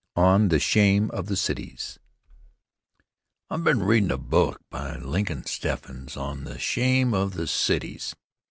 On The Shame of the Cities I'VE been readin' a book by Lincoln Steffens on 'The Shame of the Cities'.